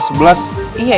iya itu bener alamat saya